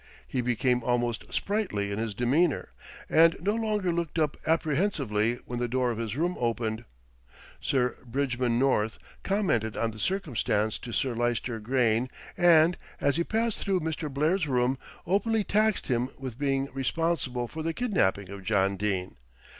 He became almost sprightly in his demeanour, and no longer looked up apprehensively when the door of his room opened. Sir Bridgman North commented on the circumstance to Sir Lyster Grayne and, as he passed through Mr. Blair's room, openly taxed him with being responsible for the kidnapping of John Dene.